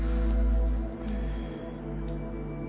うん。